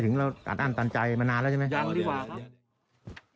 ถึงเราต่างต่างตานใจมานานแล้วใช่ไหมยังดีกว่าครับ